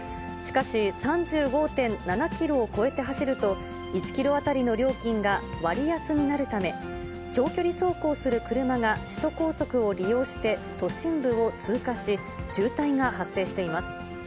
しかし、３５．７キロを超えて走ると、１キロ当たりの料金が割安になるため、長距離走行する車が首都高速を利用して都心部を通過し、渋滞が発生しています。